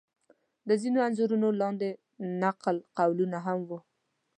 د ځینو انځورونو لاندې نقل قولونه هم و.